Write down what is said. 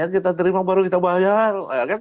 kita terima baru kita bayar